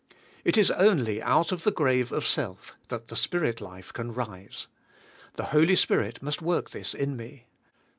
It is only out of the grave of self that the Spirit life can rise. The Holy Spirit must work this in me.